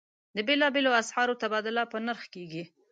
د بېلابېلو اسعارو تبادله په نرخ کېږي.